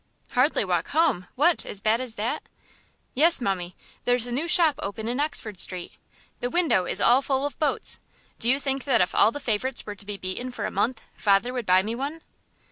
"Hardly walk home! What, as bad as that?" "Yes, mummie. There's a new shop open in Oxford Street. The window is all full of boats. Do you think that if all the favourites were to be beaten for a month, father would buy me one?"